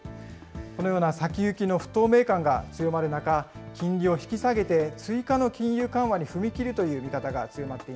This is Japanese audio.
このような先行きの不透明感が強まる中、金利を引き下げて追加の金融緩和に踏み切るという見方が強まって